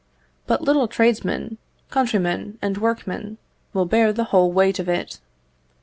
But little tradesmen, countrymen, and workmen, will bear the whole weight of it.